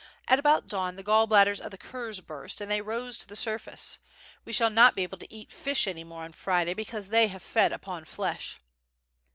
At about dawn the gall bladders of the curs burst and they rose to the surface. We shall not be able to eat fish any more on Friday, because they have fed upon flesh."